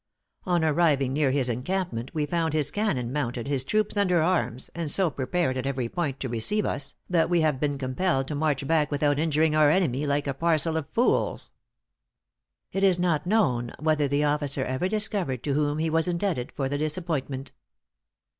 On arriving near his encampment we found his cannon mounted, his troops under arms, and so prepared at every point to receive us, that we have been compelled to march back without injuring our enemy, like a parcel of fools." It is not known whether the officer ever discovered to whom he was indebted for the disappointment.